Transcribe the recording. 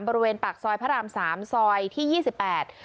บริเวณปากซอยพระรามสามซอยที่ยี่สิบแปด